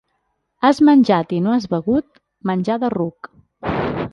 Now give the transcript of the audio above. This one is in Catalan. Has menjat i no has begut: menjar de ruc.